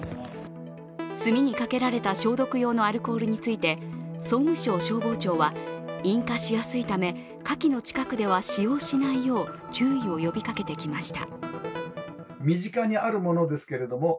炭にかけられた消毒用のアルコールについて総務省消防庁は引火しやすいため火気の近くでは使用しないよう注意を呼びかけてきました。